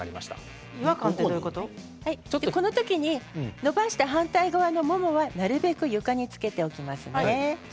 この時に伸ばした反対側のももはなるべく床につけておきますね。